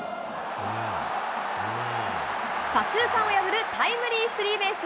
左中間を破るタイムリースリーベース。